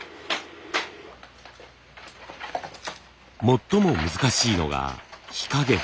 最も難しいのが火加減。